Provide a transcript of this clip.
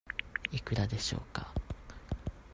いくらでしょうか。